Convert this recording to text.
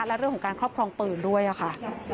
และเรื่องของการครอบครองปืนด้วยค่ะ